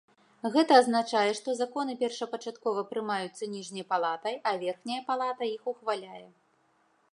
Гэта азначае, што законы першапачаткова прымаюцца ніжняй палатай, а верхняя палата іх ухваляе.